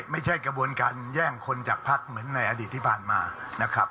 ไม่ใช่กระบวนการแย่งคนจากพักเหมือนในอดีตที่ผ่านมานะครับ